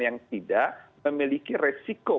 yang tidak memiliki resiko